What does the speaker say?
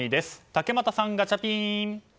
竹俣さん、ガチャピン！